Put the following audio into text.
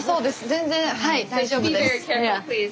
全然はい大丈夫です。